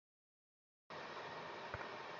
আমাদের হাতে থাকবে।